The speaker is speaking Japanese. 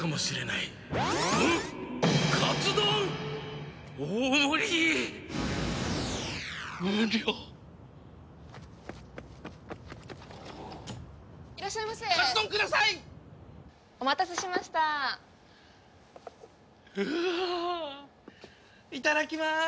いただきまーす！